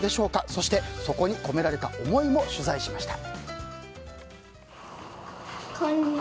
そして、そこに込められた思いも取材しました。